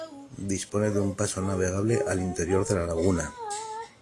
Dispone de un paso navegable al interior de la laguna.